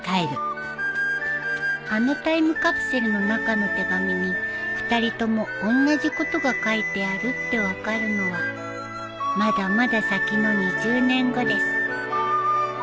［あのタイムカプセルの中の手紙に２人ともおんなじことが書いてあるって分かるのはまだまだ先の２０年後です］